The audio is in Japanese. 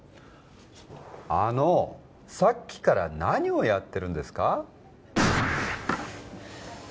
あのさっきから何をやってるんですか？